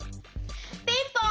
ピンポン！